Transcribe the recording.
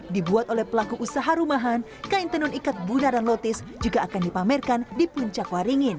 dibuat oleh pelaku usaha rumahan kain tenun ikat bundaran lotis juga akan dipamerkan di puncak waringin